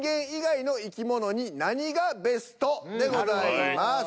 でございます。